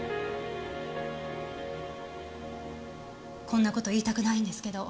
こんな事言いたくないんですけど。